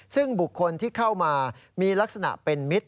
ซึ่งบุคคลที่เข้ามามีลักษณะเป็นมิตร